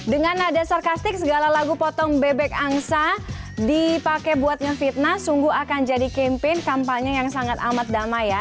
dengan nada sarkastik segala lagu potong bebek angsa dipakai buat ngefitnah sungguh akan jadi campaign kampanye yang sangat amat damai ya